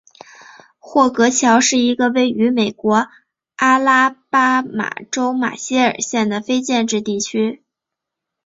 霍格乔是一个位于美国阿拉巴马州马歇尔县的非建制地区。